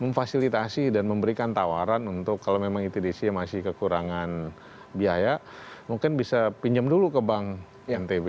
memfasilitasi dan memberikan tawaran untuk kalau memang itdc masih kekurangan biaya mungkin bisa pinjam dulu ke bank ntb